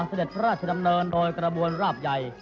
สเตงพระธรรมเนินโดยกระบวนราบใหญ่